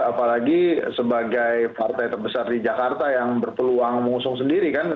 apalagi sebagai partai terbesar di jakarta yang berpeluang mengusung sendiri kan